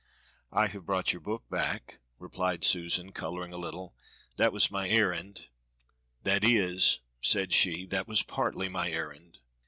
"I have brought your book back!" replied Susan, coloring a little; "that was my errand, that is," said she, "that was partly my errand."